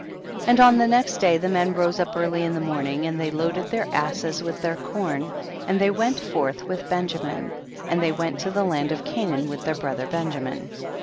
24. And on the next day the men rose up early in the morning, and they loaded their asses with their corn, and they went forth with Ben jamin, and they went to the land of Canaan with their brother Ben jamin.